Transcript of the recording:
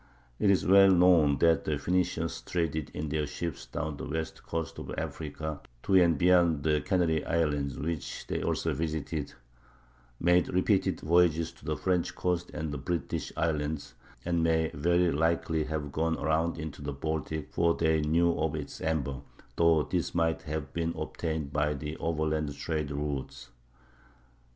It is well known that the Phenicians traded in their ships down the west coast of Africa to and beyond the Canary Islands, which they also visited; made repeated voyages to the French coast and the British Islands; and may very likely have gone around into the Baltic, for they knew of its amber, though this might have been obtained by the overland trade routes.